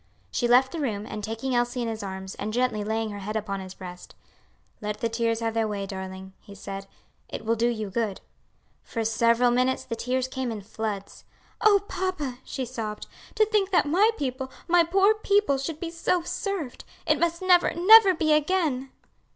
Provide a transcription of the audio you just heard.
She left the room; and taking Elsie in his arms, and gently laying her head upon his breast, "Let the tears have their way, darling," he said, "it will do you good." For several minutes the tears came in floods. "Oh, papa," she sobbed, "to think that my people, my poor people, should be so served. It must never, never be again!"